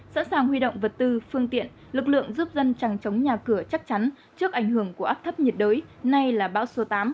sẵn sàng huy động vật tư phương tiện lực lượng giúp dân trắng chống nhà cửa chắc chắn trước ảnh hưởng của áp thấp nhiệt đới nay là bão số tám